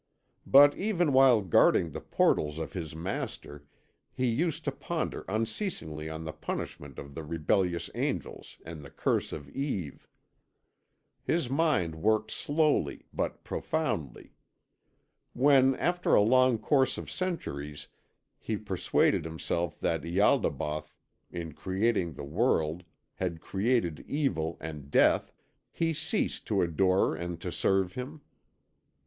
But even while guarding the portals of his Master, he used to ponder unceasingly on the punishment of the rebellious angels and the curse of Eve. His mind worked slowly but profoundly. When, after a long course of centuries, he persuaded himself that Ialdabaoth in creating the world had created evil and death, he ceased to adore and to serve him.